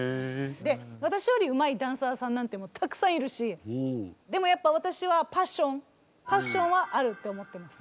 で私よりうまいダンサーさんなんてたくさんいるしでもやっぱ私はパッションパッションはあるって思ってます。